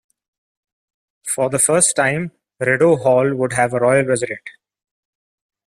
For the first time, Rideau Hall would have a royal resident.